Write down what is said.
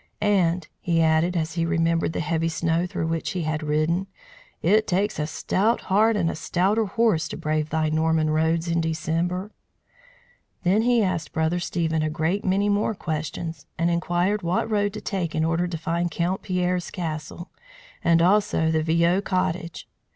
And," he added, as he remembered the heavy snow through which he had ridden, "it takes a stout heart and a stouter horse to brave thy Norman roads in December!" Then he asked Brother Stephen a great many more questions, and inquired what road to take in order to find Count Pierre's castle, and also the Viaud cottage.